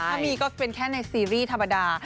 ถ้ามีก็เป็นแค่ในซีรีส์ธรรมดา